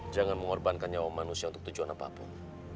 jangan mengorbankan nyawa manusia untuk tujuan apapun